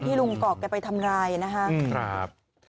ที่ลุงเกาะกันไปทำร้ายนะครับครับ